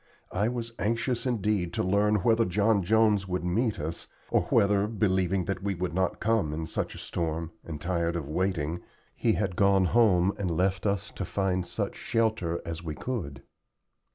I was anxious indeed to learn whether John Jones would meet us, or whether, believing that we would not come in such a storm, and tired of waiting, he had gone home and left us to find such shelter as we could.